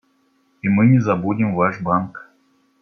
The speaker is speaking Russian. И мы не забудем ваш банк.